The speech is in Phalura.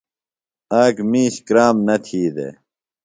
آک مِیش کرام نہ تھی دےۡ۔